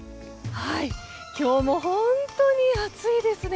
今日も本当に暑いですね。